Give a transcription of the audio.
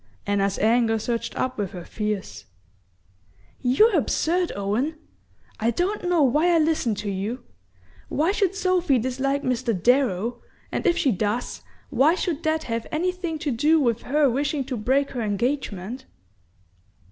Anna's anger surged up with her fears. "You're absurd, Owen! I don't know why I listen to you. Why should Sophy dislike Mr. Darrow, and if she does, why should that have anything to do with her wishing to break her engagement?"